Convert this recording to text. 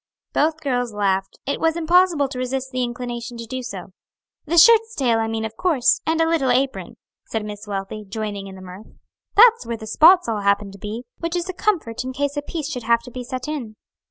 Both girls laughed. It was impossible to resist the inclination to do so. "The shirt's tail I mean, of course, and a little apron," said Miss Wealthy, joining in the mirth; "that's where the spots all happen to be, which is a comfort in case a piece should have to be set in."